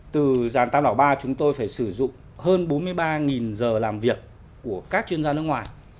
từ dàn tam đảo ba chúng tôi phải sử dụng hơn bốn mươi ba giờ làm việc của các chuyên gia nước ngoài